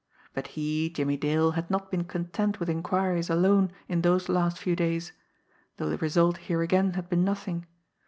But he, Jimmie Dale, had not been content with inquiries alone in those last few days though the result here again had been nothing.